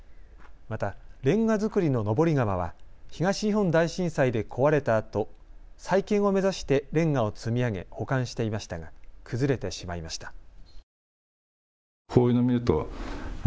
また、れんが造りの登り窯は東日本大震災で壊れたあと再建を目指してれんがを積み上げ保管していましたが崩れてしまいました。